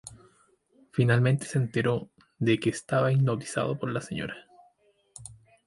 Finalmente se enteró de que estaba hipnotizado por la Sra.